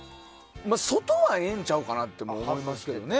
外はええんちゃうかなって思いますけどね。